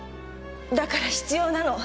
だから必要なの。